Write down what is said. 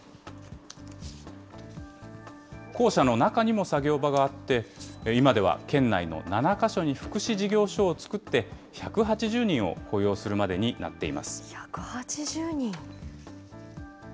校舎の中にも作業場があって、今では県内の７か所に福祉事業所を作って、１８０人を雇用するま１８０人？